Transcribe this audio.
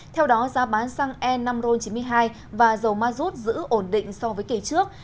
theo đó giá bán xăng e năm ron chín mươi hai và dầu ma rút giữ ổn định so với kỳ trước